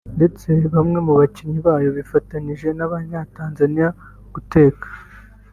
ndetse bamwe mu bakinnyi bayo bifatanyije n’abanya Tanzania guteka